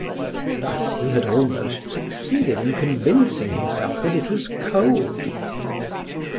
Thus he had almost succeeded in convincing himself that it was cold.